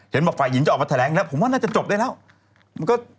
บอกฝ่ายหญิงจะออกมาแถลงแล้วผมว่าน่าจะจบได้แล้ว